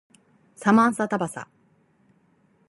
サマンサタバサ